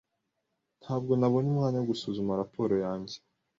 Ntabwo nabonye umwanya wo gusuzuma raporo yanjye.